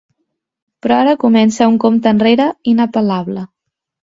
Però ara comença un compte enrere inapel·lable.